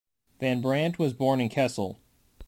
Van Brandt was born in Kessel.